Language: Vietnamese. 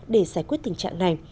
để giải quyết tình trạng này